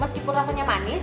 meskipun rasanya manis